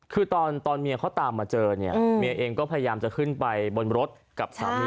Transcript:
คือตอนเมียเขาตามมาเจอเนี่ยเมียเองก็พยายามจะขึ้นไปบนรถกับสามี